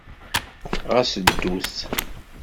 Ɣas ddut.